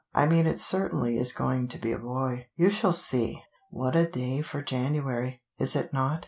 "I mean it certainly is going to be a boy. You shall see. What a day for January, is it not?